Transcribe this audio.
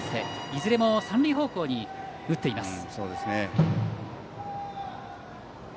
いずれも三塁方向に打っています。